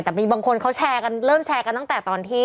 แต่มีบางคนเขาแชร์กันเริ่มแชร์กันตั้งแต่ตอนที่